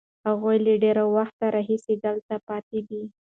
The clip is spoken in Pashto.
هغوی له ډېر وخت راهیسې دلته پاتې دي.